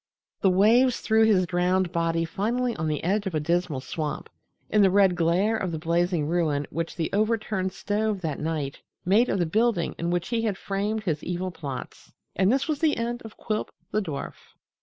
The waves threw his drowned body finally on the edge of a dismal swamp, in the red glare of the blazing ruin which the overturned stove that night made of the building in which he had framed his evil plots. And this was the end of Quilp, the dwarf.